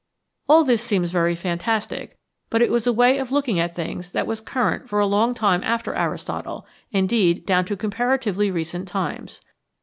All this seems very fantastic, but it was a way of looking at things that was current for a long time after Aristotle, indeed down to comparatively recent times.